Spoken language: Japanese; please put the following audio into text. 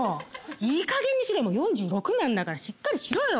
いい加減にしろよ４６なんだからしっかりしろよ。